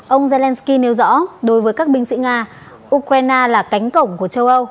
ông zelensky nêu rõ đối với các binh sĩ nga ukraine là cánh cổng của châu âu